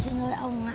chú không bán